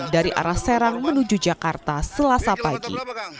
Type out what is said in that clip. dari arah serang menuju jakarta selasa pagi